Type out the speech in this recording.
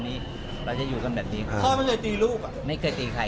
ไม่เราก็แค่ก่อกัน